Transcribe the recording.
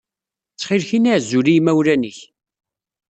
Ttxil-k ini azul i yimawlan-ik.